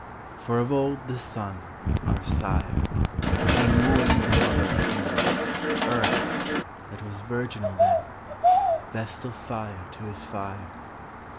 For of old the Sun, our sire, Came wooing the mother of men, Earth, that was virginal then, Vestal fire to his fire.